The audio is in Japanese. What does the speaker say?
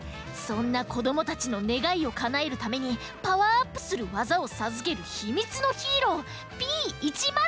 そんなこどもたちのねがいをかなえるためにパワーアップするわざをさずけるひみつのヒーローＰ１０３！